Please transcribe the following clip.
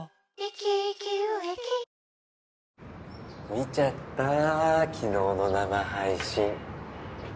見ちゃった昨日の生配信